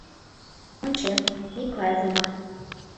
Ончем: Миклай Вома!